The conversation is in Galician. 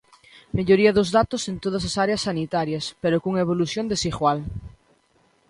Melloría dos datos en todas as áreas sanitarias, pero cunha evolución desigual.